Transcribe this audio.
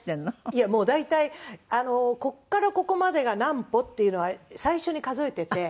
いやもう大体あのここからここまでが何歩っていうのは最初に数えてて。